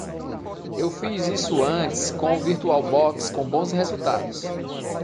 Eu fiz isso antes com o VirtualBox com bons resultados.